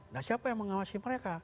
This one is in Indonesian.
nah siapa yang mengawasi mereka